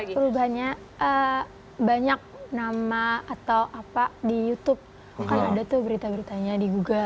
perubahannya banyak nama atau apa di youtube kan ada tuh berita beritanya di google